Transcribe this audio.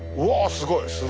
すごいね！